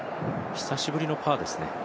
久しぶりのパーですね。